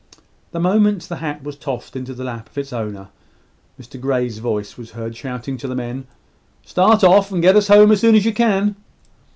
The moment the hat was tossed into the lap of its owner, Mr Grey's voice was heard shouting to the men "Start off, and get us home as soon as you can."